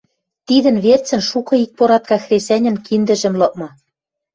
тидӹн верцӹн шукы икпоратка хресӓньӹн киндӹжӹм лыкмы.